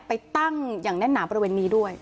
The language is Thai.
ไปตั้งอย่างแน่นหนาบริเวณนี้ด้วย